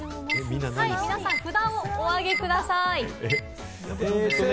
皆さん札をおあげください。